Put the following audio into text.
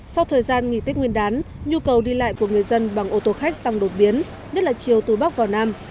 sau thời gian nghỉ tết nguyên đán nhu cầu đi lại của người dân bằng ô tô khách tăng đột biến nhất là chiều từ bắc vào nam